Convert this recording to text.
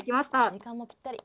時間もぴったり。